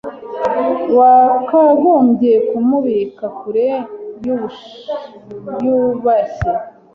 Wakagombye kumubika kure yubashye.